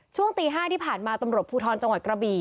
ช่วงตี๕ที่ผ่านมาตำรวจภูทรจังหวัดกระบี่